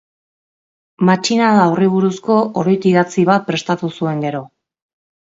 Matxinada horri buruzko oroit-idatzi bat prestatu zuen gero.